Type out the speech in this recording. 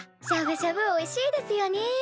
しゃぶしゃぶおいしいですよね。